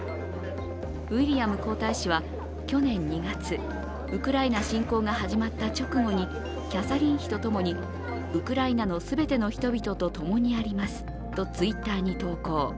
ウィリアム皇太子は去年２月、ウクライナ侵攻が始まった直後にキャサリン妃とともにウクライナの全ての人々とともにありますとＴｗｉｔｔｅｒに投稿。